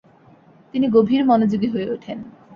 তিনি গভীর মনোযোগী হয়ে ওঠেন।